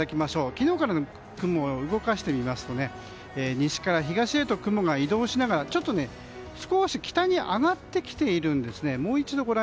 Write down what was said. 昨日からの雲を動かしてみますと西から東へと雲が移動しながらちょっと北に上がってきているんですね。